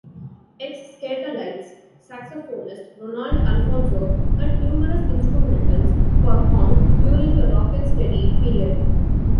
Ex-Skatalites saxophonist Roland Alphonso cut numerous instrumentals for Kong during the rocksteady period.